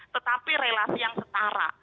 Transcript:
tetapi relasi yang setara